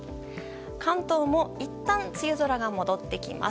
関東もいったん梅雨空が戻ってきます。